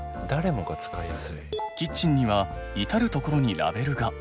キッチンには至る所にラベルが。